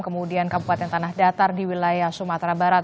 kemudian kabupaten tanah datar di wilayah sumatera barat